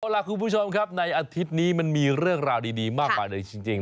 เอาล่ะคุณผู้ชมครับในอาทิตย์นี้มันมีเรื่องราวดีมากมายเลยจริง